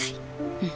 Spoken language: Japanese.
うん。